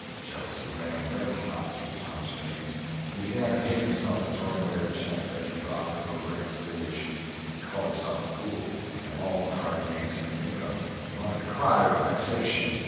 Jealousy ran red hot through Tom's veins. He began to hate himself for throwing away the chance Becky had offered for a reconciliation. He called himself a fool, and all the hard names he could think of. He wanted to cry with vexation.